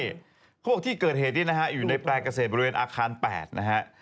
เขาบอกที่เกิดเหตุนี้นะฮะอยู่ในแปลงเกษตรบริเวณอาคาร๘นะฮะ